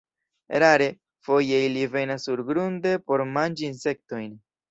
Rare, foje, ili venas surgrunde por manĝi insektojn.